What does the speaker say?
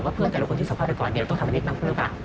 ว่าเพื่อนแต่ละคนที่สามารถไปก่อนต้องทำอันนี้บางเพื่อนบาง